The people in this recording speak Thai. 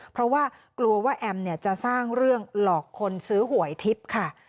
เพราะว่ากลัวว่าแอมเนี่ยจะสร้างเรื่องหลอกคนซื้อหวยทิพย์ค่ะ